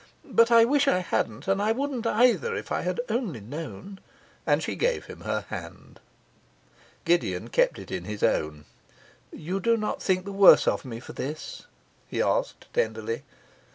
But I wish I hadn't, and I wouldn't either if I had only known.' And she gave him her hand. Gideon kept it in his own. 'You do not think the worse of me for this?' he asked tenderly.